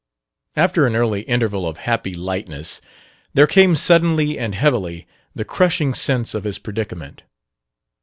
After an early interval of happy lightness, there came suddenly and heavily the crushing sense of his predicament.